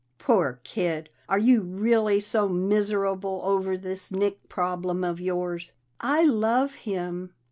"Poor kid! Are you really so miserable over this Nick problem of yours?" "I love him."